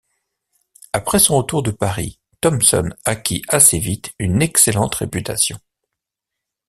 Après son retour de Paris, Thomson acquit assez vite une excellente réputation.